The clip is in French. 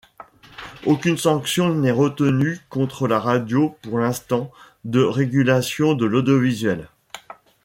Aucune sanction n'est retenue contre la radio par l'instance de régulation de l'audiovisuel.